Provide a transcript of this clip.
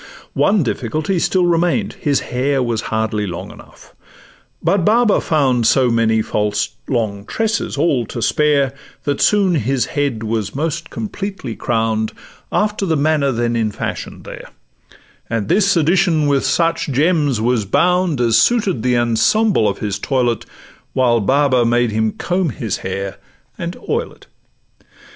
One difficulty still remain'd—his hair Was hardly long enough; but Baba found So many false long tresses all to spare, That soon his head was most completely crown'd, After the manner then in fashion there; And this addition with such gems was bound As suited the ensemble of his toilet, While Baba made him comb his head and oil it.